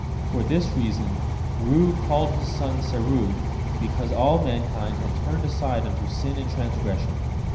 For this reason Reu called his son Serug, because all mankind had turned aside unto sin and transgression.